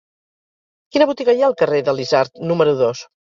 Quina botiga hi ha al carrer de l'Isard número dos?